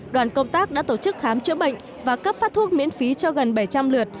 đoàn công tác đã tổ chức khám chữa bệnh và cấp phát thuốc miễn phí cho gần bảy trăm linh lượt